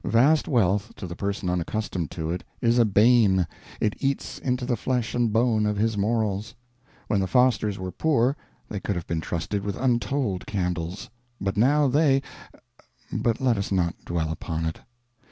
Vast wealth, to the person unaccustomed to it, is a bane; it eats into the flesh and bone of his morals. When the Fosters were poor, they could have been trusted with untold candles. But now they but let us not dwell upon it.